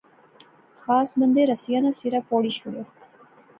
خاص بندے رسیا ناں سرا پوڑی شوڑیا